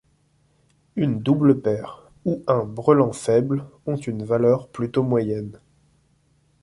Une double paire, ou un brelan faible ont une valeur plutôt moyenne.